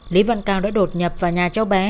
lý văn cao đã đột nhập vào nhà cháu bé